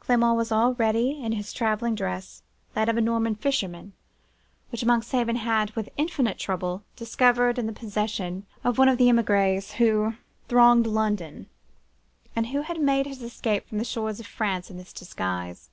Clement was already in his travelling dress, that of a Norman fisherman, which Monkshaven had, with infinite trouble, discovered in the possession of one of the emigres who thronged London, and who had made his escape from the shores of France in this disguise.